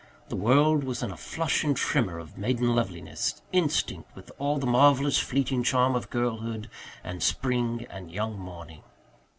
The world was in a flush and tremor of maiden loveliness, instinct with all the marvellous fleeting charm of girlhood and spring and young morning.